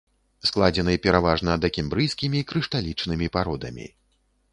Складзены пераважна дакембрыйскімі крышталічнымі пародамі.